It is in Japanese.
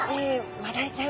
マダイちゃん！